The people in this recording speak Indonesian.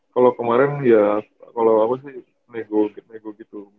kalo kemarin ya kalo aku sih nego gitu